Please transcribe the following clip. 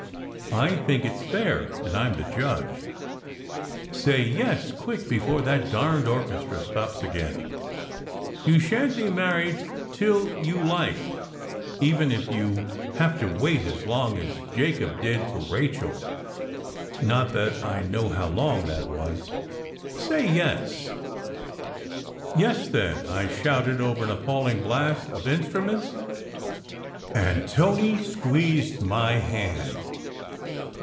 / think it s fair, and I m the judge. Say yes, quick, be fore that darned orchestra stops again. You shan t be married till you like, even if I have to wait as long as Jacob did for Rachel. Not that I know how long that was. Say yes " "Yes, then!" I shouted over an appalling blast of instruments. And Tony squeezed my hand.